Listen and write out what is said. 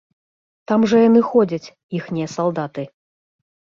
Там жа яны ходзяць, іхнія салдаты.